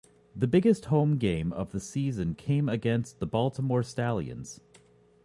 The biggest home game of the season came against the Baltimore Stallions.